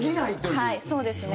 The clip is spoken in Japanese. はいそうですね。